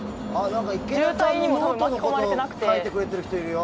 渋滞にも巻き込まれてなくて。